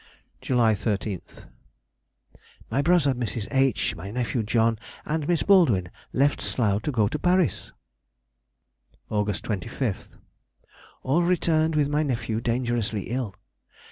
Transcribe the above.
July 13th.—My brother, Mrs. H., my nephew John, and Miss Baldwin left Slough to go to Paris. August 25th.—All returned with my nephew dangerously ill.